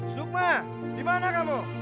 sukma dimana kamu